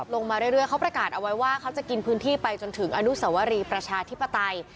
ลงมาเรื่อยเขาประกาศเอาไว้ว่าเขาจะกินพื้นที่ไปจนถึงอนุสวรีประชาธิปไตย